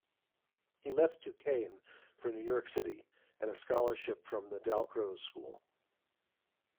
He left Duquesne for New York City and a scholarship from the Dalcroze School.